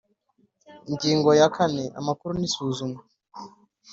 Ingingo ya kane Amakuru n isuzumwa